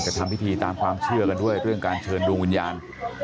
ทำพิธีตามความเชื่อกันด้วยเรื่องการเชิญดวงวิญญาณ